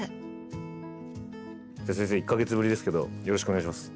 先生１か月ぶりですけどよろしくお願いします。